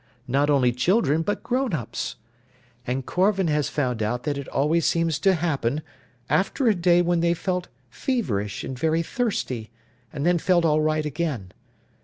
Not only children but grownups. And Korvan has found out that it always seems to happen after a day when they felt feverish and very thirsty, and then felt all right again.